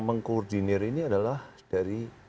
mengkoordinir ini adalah dari